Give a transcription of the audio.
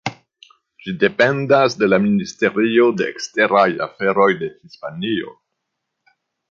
Ĝi dependas de la Ministerio de Eksteraj Aferoj de Hispanio.